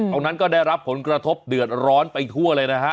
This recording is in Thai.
ตรงนั้นก็ได้รับผลกระทบเดือดร้อนไปทั่วเลยนะฮะ